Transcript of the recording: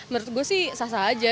menurut gue sih sah sah aja